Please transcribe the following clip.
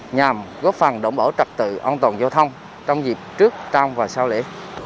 nhằm góp phần đổng bỏ trật tự an toàn giao thông trong dịp trước trong và sau lễ